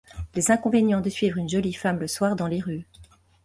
Les inconvénients de suivre une jolie femme le soir dans les rues